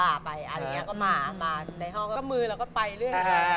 อาจารย์แล้วเนี่ย